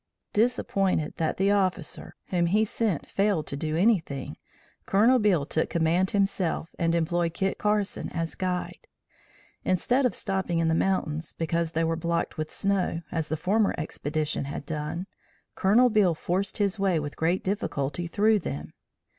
Disappointed that the officer whom he sent failed to do anything, Colonel Beale took command himself and employed Kit Carson as guide. Instead of stopping in the mountains because they were blocked with snow, as the former expedition had done, Colonel Beale forced his way with great difficulty through them.